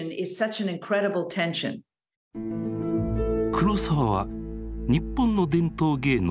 黒澤は日本の伝統芸能